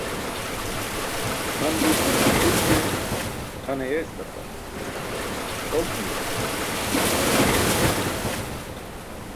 Han gulćinan pʰuṭ ne, han ayeestaqa, oltikaṭe baren.